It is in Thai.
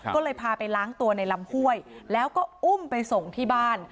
ก็เลยพาไปล้างตัวในลำห้วยแล้วก็อุ้มไปส่งที่บ้าน